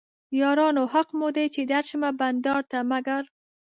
یارانو حق مو دی چې درشمه بنډار ته مګر